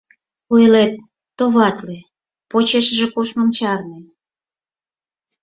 Ойлет: «Товатле», «Почешыже коштмым чарне!»